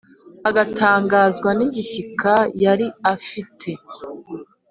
agatangazwa n’igishyika yari afite.